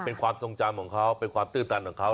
เป็นความทรงจำของเขาเป็นความตื้นตันของเขา